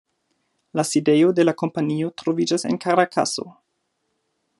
La sidejo de la kompanio troviĝas en Karakaso.